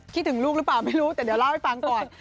คิดถึงลูกหรือเปล่าไม่รู้แต่เดี๋ยวเล่าให้ฟังก่อน